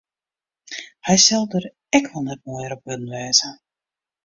Hy sil der ek wol net moaier op wurden wêze.